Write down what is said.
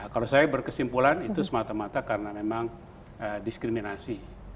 kalau saya berkesimpulan itu semata mata karena memang diskriminasi